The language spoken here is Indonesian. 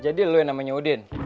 jadi lu yang namanya udin